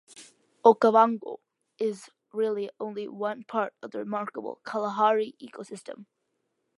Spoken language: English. Okavango is really only one part of the remarkable Kalahari ecosystem.